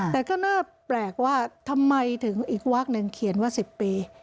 แต่ก็น่าแปลกว่าทำไมถึงอีกวาคนึงเขียนว่า๑๐ปี